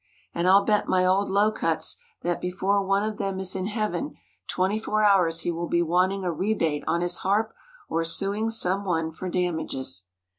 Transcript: And I'll bet my old low cuts that before one of them is in Heaven twenty four hours he will be wanting a rebate on his harp or sueing some one for damages.